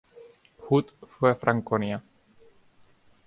Hut fue a Franconia.